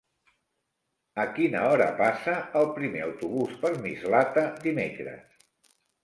A quina hora passa el primer autobús per Mislata dimecres?